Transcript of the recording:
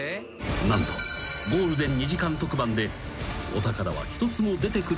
［何とゴールデン２時間特番でお宝は一つも出てくることはなかった］